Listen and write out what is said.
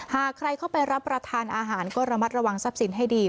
หากใครเข้าไปรับประทานอาหารก็ระมัดระวังทรัพย์สินให้ดี